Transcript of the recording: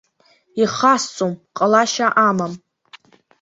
Ихасҵом, ҟалашьа амам!